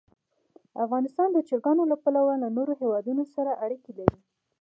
افغانستان د چرګان له پلوه له نورو هېوادونو سره اړیکې لري.